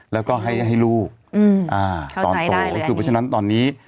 แล้วก็ให้ลูกตอนโตก็คือเพราะฉะนั้นตอนนี้